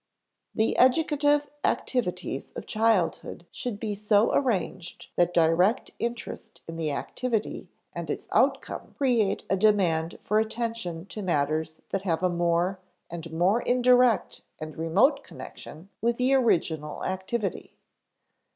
(Ante, p. 43.) The educative activities of childhood should be so arranged that direct interest in the activity and its outcome create a demand for attention to matters that have a more and more indirect and remote connection with the original activity.